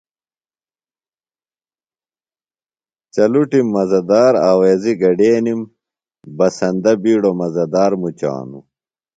چلٹِم مزہ دار آویزیۡ گڈینِم۔ بسندہ بِیڈوۡ مزہ دار مُچانوۡ۔